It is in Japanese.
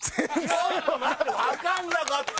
わかんなかった！